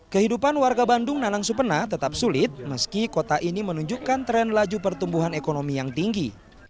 kehidupan warga bandung nanang supena tetap sulit meski kota ini menunjukkan tren laju pertumbuhan ekonomi yang tinggi